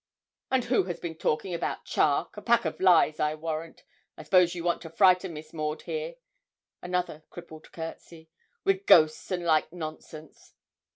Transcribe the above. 'And who has been a talking about Charke a pack o lies, I warrant. I s'pose you want to frighten Miss Maud here' (another crippled courtesy) 'wi' ghosts and like nonsense.'